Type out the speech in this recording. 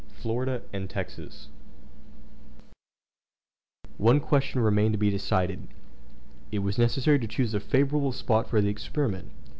FLORIDA AND TEXAS One question remained yet to be decided; it was necessary to choose a favorable spot for the experiment.